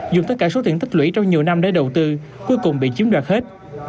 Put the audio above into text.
dùng tất cả số tiền tích lũy trong nhiều năm để đầu tư cuối cùng bị chiếm đoạt hết